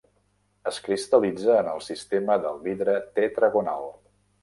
Es cristal·litza en el sistema del vidre tetragonal.